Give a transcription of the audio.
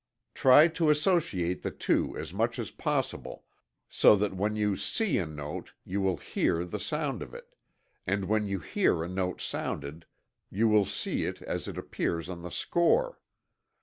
Try to associate the two as much as possible, so that when you see a note, you will hear the sound of it, and when you hear a note sounded, you will see it as it appears on the score.